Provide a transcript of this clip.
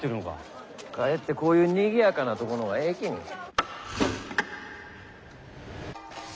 かえってこういうにぎやかなとこの方がええきに。